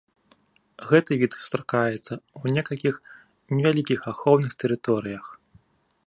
Гэты від сустракаецца ў некалькіх невялікіх ахоўных тэрыторыях.